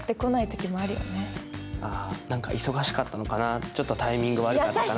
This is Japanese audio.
あ何か忙しかったのかなちょっとタイミング悪かったかな。